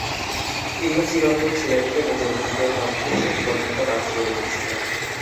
তিনি "চিরন্তন ছেলেটিকে নিজের বুকের মধ্যে শেষ পর্যন্ত বাঁচিয়ে রেখেছিলেন"।